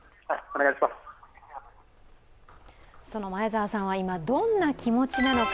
前澤さんは今、どんな気持ちなのか。